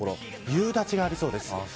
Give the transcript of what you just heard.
夕立がありそうです。